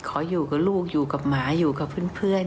ขออยู่กับลูกอยู่กับหมาอยู่กับเพื่อน